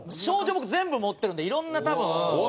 僕全部持ってるんでいろんな多分。